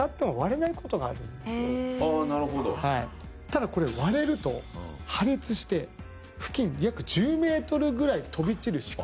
ただこれ割れると破裂して付近約１０ｍぐらい飛び散る仕組みになってる。